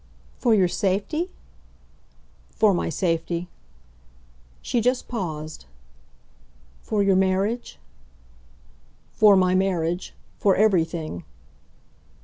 "For your safety?" "For my safety." She just paused. "For your marriage?" "For my marriage. For everything."